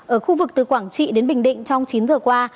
ở khu vực từ quảng trị đến bình định trong chín giờ qua